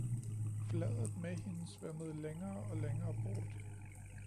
Bladet med hende svømmede længere og længere bort.